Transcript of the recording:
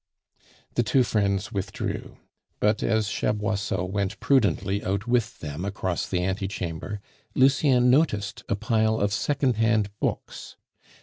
The two friends withdrew; but as Chaboisseau went prudently out with them across the ante chamber, Lucien noticed a pile of second hand books.